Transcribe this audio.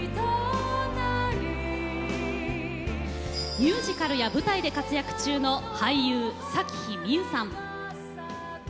ミュージカルや舞台で活躍中の俳優、咲妃みゆさん。